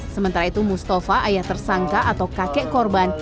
sementara itu mustafa ayah tersangka atau kakek korban